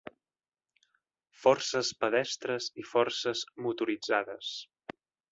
Forces pedestres i forces motoritzades.